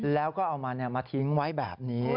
แล้วก็เอามันมาทิ้งไว้แบบนี้